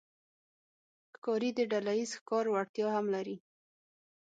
ښکاري د ډلهییز ښکار وړتیا هم لري.